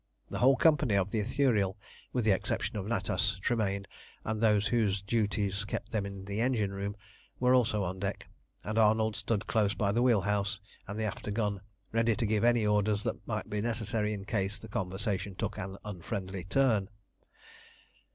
The whole company of the Ithuriel, with the exception of Natas, Tremayne, and those whose duties kept them in the engine room, were also on deck, and Arnold stood close by the wheel house and the after gun, ready to give any orders that might be necessary in case the conversation took an unfriendly turn.